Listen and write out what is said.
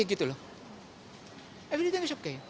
semuanya tidak apa apa